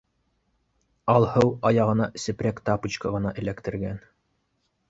Алһыу аяғына сепрәк тапочка ғына эләктергән.